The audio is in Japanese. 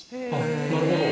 なるほど。